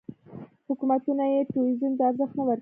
حکومتونه یې ټوریزم ته ارزښت نه ورکوي.